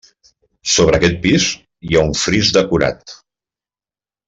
Sobre aquest pis, hi ha un fris decorat.